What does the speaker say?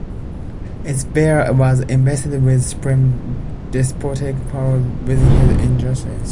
Its bearer was invested with supreme despotic powers within his jurisdiction.